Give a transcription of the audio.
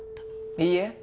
いいえ。